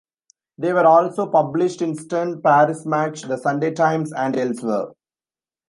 They were also published in "Stern", "Paris Match", "The Sunday Times", and elsewhere.